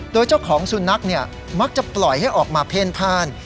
โดยเจ้าของสุนัขมักจะปล่อยให้ออกมาเพ่นพ่าน